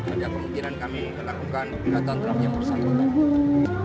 ada kemungkinan kami melakukan gugatan terang yang bersangkutan